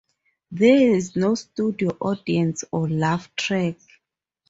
There is no studio audience or laugh track.